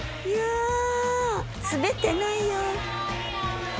いや滑ってないよ。